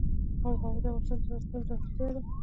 آب وهوا د افغانستان د اقلیم ځانګړتیا ده.